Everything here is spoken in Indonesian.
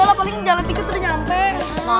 ya lah paling jalan tiga terdekat